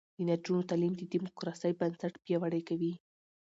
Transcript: د نجونو تعلیم د دیموکراسۍ بنسټ پیاوړی کوي.